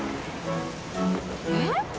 えっ？